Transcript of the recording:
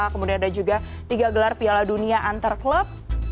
kemudian ada juga tiga gelar piala dunia antar klub